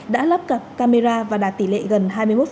đã lắp cặp camera và đạt tỷ lệ gần hai mươi một